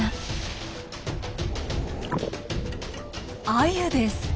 アユです。